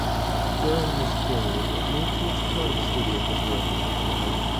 During this period, it moved to its current studio facilities in Elgin.